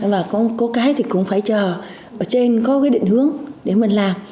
và có cái thì cũng phải chờ ở trên có cái định hướng để mình làm